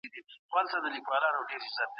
هغه پوهان د سياست علمي والی نه مني.